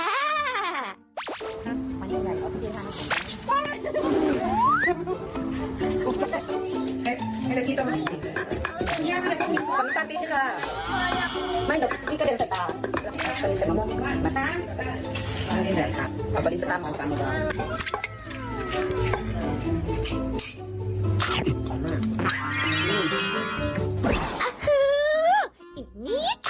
ครับมาใหญ่เอาไปเจ๊ค่ะมาเจ๊ค่ะ